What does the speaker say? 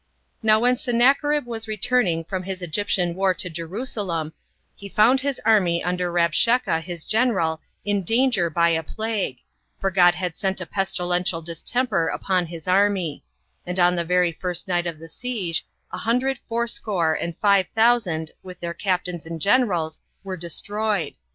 "Now when Sennacherib was returning from his Egyptian war to Jerusalem, he found his army under Rabshakeh his general in danger [by a plague], for God had sent a pestilential distemper upon his army; and on the very first night of the siege, a hundred fourscore and five thousand, with their captains and generals, were destroyed.